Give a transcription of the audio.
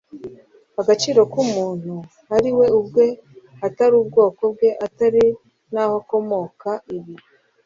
agaciro k umuntu ariwe ubwe atari ubwoko bwe atari n aho akomoka ibi